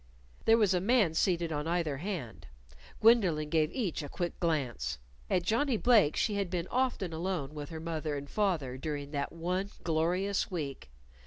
There was a man seated on either hand. Gwendolyn gave each a quick glance. At Johnnie Blake's she had been often alone with her father and mother during that one glorious week.